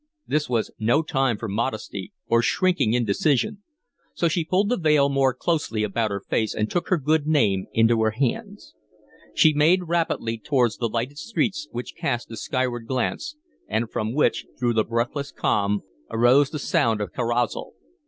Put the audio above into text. This was no time for modesty or shrinking indecision, so she pulled the veil more closely about her face and took her good name into her hands. She made rapidly towards the lighted streets which cast a skyward glare, and from which, through the breathless calm, arose the sound of carousal.